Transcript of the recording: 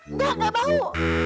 enggak enggak bau